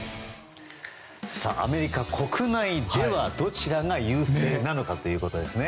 アメリカ国内ではどちらが優勢なのかということですね。